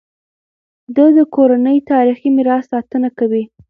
ده د کورنۍ تاریخي میراث ساتنه کوي.